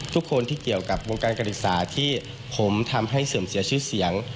ทุกคนที่เกี่ยวกับวงการการศึกษาที่ผมทำให้เสื่อมเสียชื่อเสียง